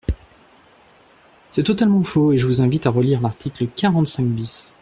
C’est totalement faux et je vous invite à relire l’article quarante-cinq bis.